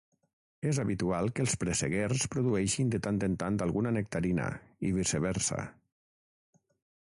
És habitual que els presseguers produeixin de tant en tant alguna nectarina i viceversa.